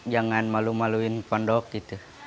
jangan malu maluin pondok gitu